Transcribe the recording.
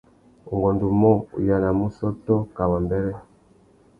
Ungôndômô, u yānamú ussôtô kā wambêrê.